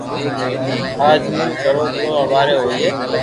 اج مون ڪرو تو ھواري ھوئي